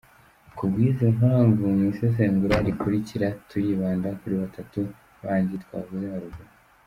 Ku bw’izi mpamvu, mu isesengura rikurikira, turibanda kuri batatu bandi twavuze haruguru.